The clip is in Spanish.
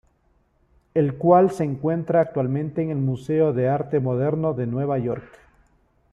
El cual se encuentra actualmente en el Museo de Arte Moderno de Nueva York.